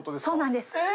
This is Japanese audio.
そうなんです。